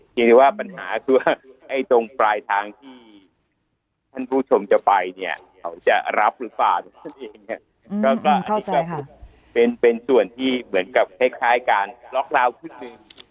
นี่สิว่าปัญหาให้ตรงปลายทางที่ผู้ชมจะไปเขาจะรับหรือเปล่านี้ก็เป็นส่วนที่เหมือนกับการแค้งครองเราขึ้น